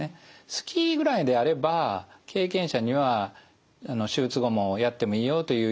スキーぐらいであれば経験者には手術後もやってもいいよという意見が多いです。